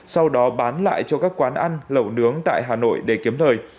sau đó bán lại cho các quán ăn lẩu nướng tại hà nội để kiếm lời